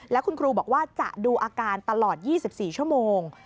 แล้วคุณครูบอกว่าจะดูอาการตลอด๒๔ชั่วโมง